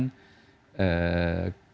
kalau secara jelas